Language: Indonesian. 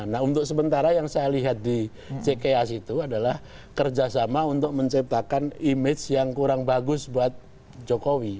nah untuk sementara yang saya lihat di cks itu adalah kerjasama untuk menciptakan image yang kurang bagus buat jokowi